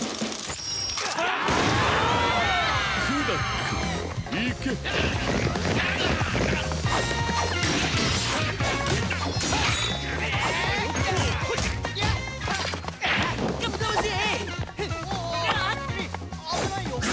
君危ないよ。